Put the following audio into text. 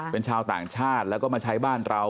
เป็นชาวต่างชาติแล้วก็มาใช้บ้านเรา